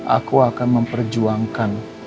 aku akan memperjuangkan